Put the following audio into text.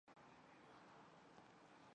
图阿尔塞。